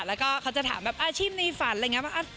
แล้วก็เขาจะถามแบบอาชีพในฝันอะไรอย่างนี้ว่า